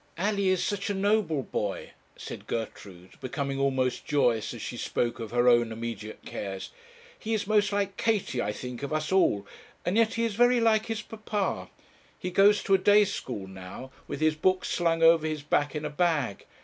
'Alley is such a noble boy,' said Gertrude, becoming almost joyous as she spoke of her own immediate cares. 'He is most like Katie, I think, of us all; and yet he is very like his papa. He goes to a day school now, with his books slung over his back in a bag.